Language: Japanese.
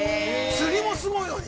◆釣りもすごいのに？